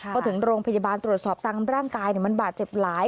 พอถึงโรงพยาบาลตรวจสอบตามร่างกายมันบาดเจ็บหลาย